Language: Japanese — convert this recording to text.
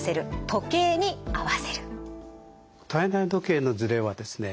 体内時計のズレはですね